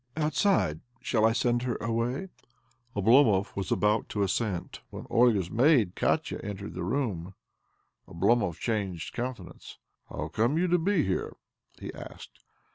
" Outside. Shall I send her away? " Oblomov was about to assent when Olga's maid, Katia, entered the room. Oblomov chaдged countenaince . "How come you to be here?" he asked.